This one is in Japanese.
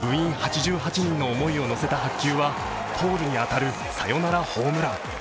部員８８人の思いを乗せた白球はポールに当たるサヨナラホームラン。